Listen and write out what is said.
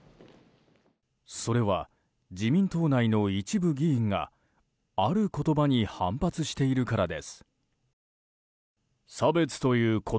それは、自民党内の一部議員がある言葉に反発しているからです。